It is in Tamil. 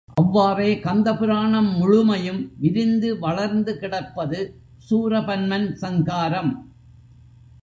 அவ்வாறே கந்த புராணம் முழுமையும் விரிந்து வளர்ந்து கிடப்பது சூரபன்மன் சங்காரம்.